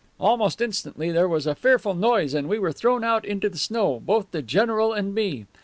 Almost instantly there was a fearful noise, and we were thrown out into the snow, both the general and me.